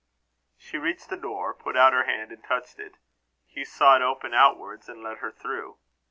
She reached the door, put out her hand, and touched it. Hugh saw it open outwards and let her through.